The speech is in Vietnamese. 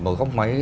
một góc máy